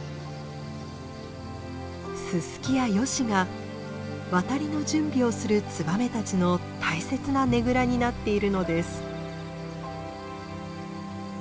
ススキやヨシが渡りの準備をするツバメたちの大切なねぐらになっているのです。